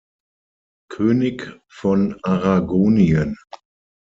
König von Aragonien.